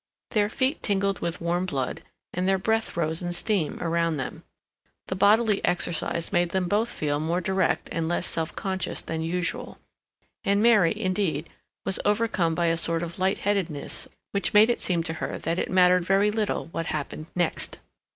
Their feet tingled with warm blood and their breath rose in steam around them. The bodily exercise made them both feel more direct and less self conscious than usual, and Mary, indeed, was overcome by a sort of light headedness which made it seem to her that it mattered very little what happened next.